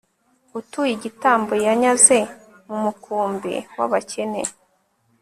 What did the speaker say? utuye igitambo yanyaze mu mukumbi w'abakene